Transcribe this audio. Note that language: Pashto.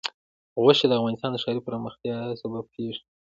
غوښې د افغانستان د ښاري پراختیا سبب کېږي.